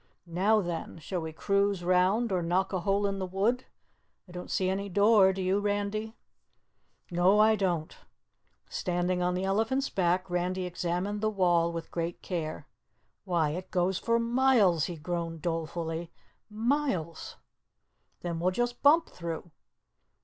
Now, then, shall we cruise round or knock a hole in the wood? I don't see any door, do you, Randy?" "No, I don't." Standing on the elephant's back, Randy examined the wall with great care. "Why, it goes for miles," he groaned dolefully. "Miles!" "Then we'll just bump through."